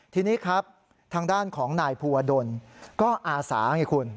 ทีนี้ครับทางด้านของนายภูวดลก็อาสาไงคุณ